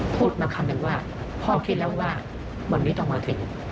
พูดมาคำหนึ่งว่าพ่อคิดแล้วว่าวันนี้ต้องมาถึง